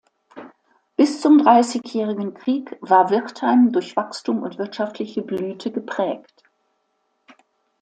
Bis zum Dreißigjährigen Krieg war Wirtheim durch Wachstum und wirtschaftliche Blüte geprägt.